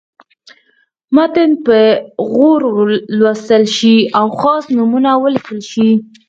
متن دې په غور ولوستل شي او خاص نومونه ولیکل شي.